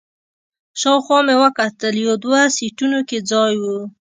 شاوخوا مې وکتل، یو دوه سیټونو کې ځای و.